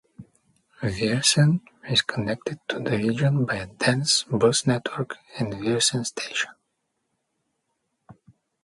Viersen is connected to the region by a dense bus network and Viersen station.